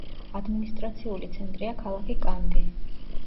ადმინისტრაციული ცენტრია ქალაქი კანდი.